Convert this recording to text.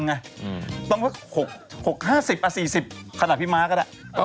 ต้องสัก๖๕๐๔๐ขนาดพี่ม้าก็ได้